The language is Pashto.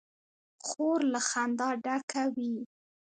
خور له خندا ډکه وي.